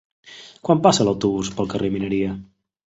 Quan passa l'autobús pel carrer Mineria?